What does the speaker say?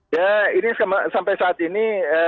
ya ini sampai saat ini